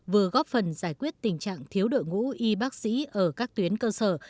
vừa góp phần giải quyết tình trạng thiếu đội ngũ y bác sĩ ở các tuyến cơ sở